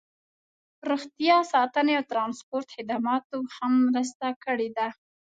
روغتیا ساتنې او ټرانسپورټ خدماتو هم مرسته کړې ده